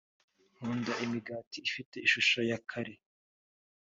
akunda imigati ifite ishusho ya kare